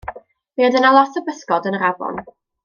Mi oedd yna lot o bysgod yn yr afon.